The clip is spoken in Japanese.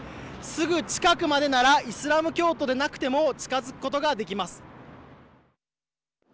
すぐ近くまでならイスラム教徒でなくても近づくことができます。